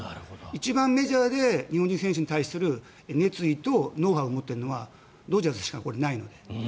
一番メジャーで日本人選手に対する熱意とノウハウを持っているのはドジャースしかないので。